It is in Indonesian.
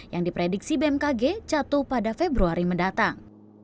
yang diprediksi bmkg jatuh pada februari mendatang